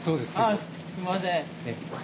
あっすいません。